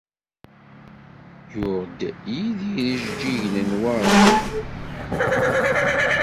Yuɣ-d Yidir ijeǧǧigen i Newwara.